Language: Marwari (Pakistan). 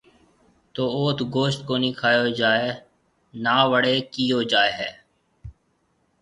تو اوٿ گوشت ڪونِي کائيو جائي نا وڙيَ ڪيو جائي هيَ۔